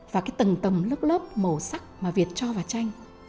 và cái tầng tầm lớp lớp màu sắc mà việt cho vào là cái gì